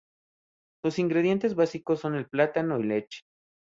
Sus ingredientes básicos son el plátano y leche.